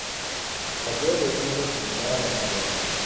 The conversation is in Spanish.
Falló de un modo similar al anterior.